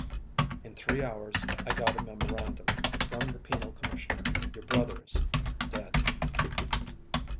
In three hours I got a memorandum from the penal commissioner. Your brother's dead."